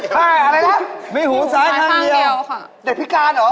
มีหูซ้ายข้างเดียวมีหูซ้ายข้างเดียวค่ะมีหูซ้ายข้างเดียว